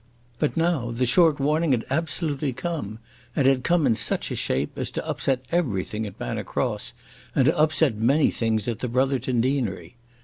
But now the short warning had absolutely come, and had come in such a shape as to upset everything at Manor Cross, and to upset many things at the Brotherton Deanery.